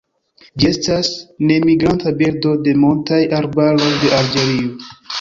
Ĝi estas nemigranta birdo de montaj arbaroj de Alĝerio.